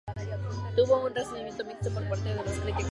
Tuvo un recibimiento mixto por parte de los críticos.